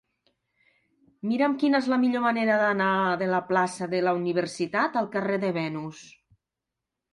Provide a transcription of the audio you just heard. Mira'm quina és la millor manera d'anar de la plaça de la Universitat al carrer de Venus.